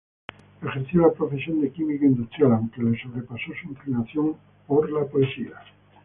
Ejerció la profesión de químico industrial, aunque le sobrepasó su inclinación a la poesía.